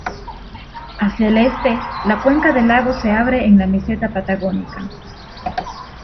Hacia el este, la cuenca del lago se abre en la meseta patagónica.